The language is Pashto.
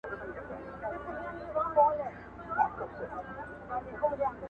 • زما آواز که در رسیږي -